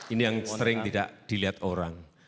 ini yang sering tidak dilihat orang